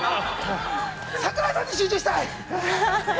櫻井さんに集中したい！